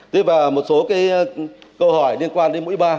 thế và một số cái câu hỏi liên quan đến mũi ba